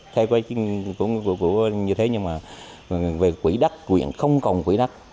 thay quay như thế nhưng mà về quỹ đất quyền không còng quỹ đất